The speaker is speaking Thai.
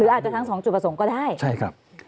อาจจะทั้งสองจุดประสงค์ก็ได้ใช่ครับ